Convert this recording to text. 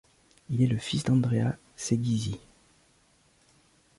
Il est le fils d'Andrea Seghizzi.